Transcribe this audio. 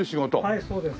はいそうです。